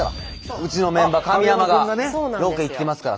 うちのメンバー神山がロケ行ってますから。